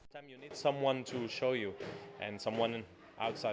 và một ngày nào đó không xa